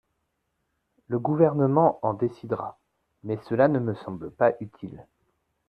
Le Gouvernement en décidera, mais cela ne me semble pas utile.